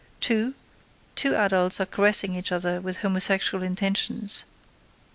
_ (2) _Two adults are caressing each other with homosexual intentions.